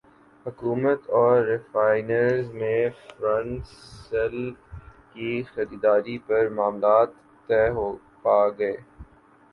حکومت اور ریفائنریز میں فرنس ئل کی خریداری پر معاملات طے پاگئے